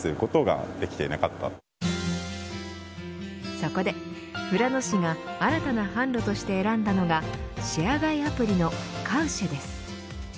そこで、富良野市が新たな販路として選んだのがシェア買いアプリのカウシェです。